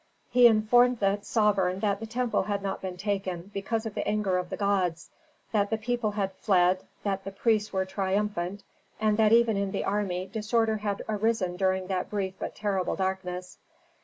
He informed the sovereign that the temple had not been taken because of the anger of the gods; that the people had fled, that the priests were triumphant, and that even in the army disorder had arisen during that brief but terrible darkness.